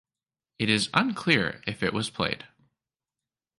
It is unclear if it was played.